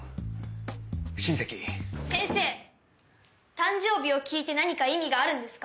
誕生日を聞いて何か意味があるんですか？